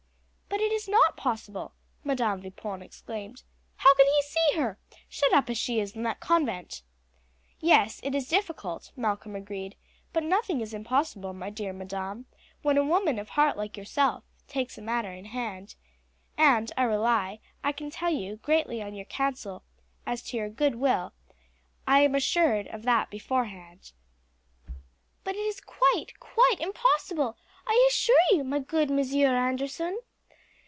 "But it is not possible," Madam Vipon exclaimed. "How can he see her, shut up as she is in that convent?" "Yes, it is difficult," Malcolm agreed; "but nothing is impossible, my dear madam, when a woman of heart like yourself takes a matter in hand; and I rely, I can tell you, greatly on your counsel; as to your goodwill, I am assured of that beforehand." "But it is quite, quite, quite impossible, I assure you, my good Monsieur Anderson."